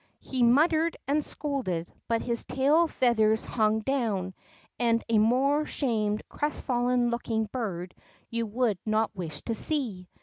He muttered and scolded, but his tail feathers hung down, and a more shamed, crestfallen looking bird you would not wish to see.